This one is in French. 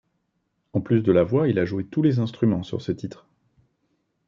En plus de la voix, il a joué tous les instruments sur ce titre.